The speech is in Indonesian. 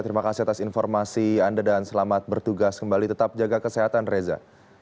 terima kasih atas informasi anda dan selamat bertugas kembali tetap jaga kesehatan reza